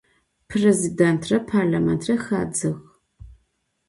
Prêzidêntre parlamêntre xadzığ.